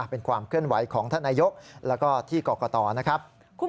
เป็นความเคลื่อนไหวของท่านนายกแล้วก็ที่กรกตนะครับ